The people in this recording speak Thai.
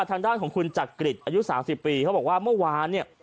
ทางด้านของคุณจักริตอายุ๓๐ปีเขาบอกว่าเมื่อวานเนี่ย